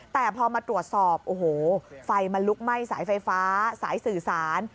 แต่พอมาตรวจสอบโอ้โหไฟมันลุกไหม้สายไฟฟ้าสายสื่อสาร